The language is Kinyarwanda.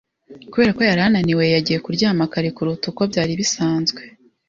Kubera ko yari ananiwe, yagiye kuryama kare kuruta uko byari bisanzwe.